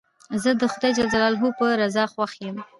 زه د خدای جل جلاله په رضا خوښ یم.